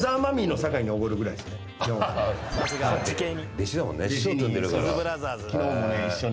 弟子だもんね。